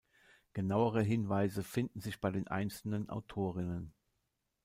Genauere Hinweise finden sich bei den einzelnen Autorinnen.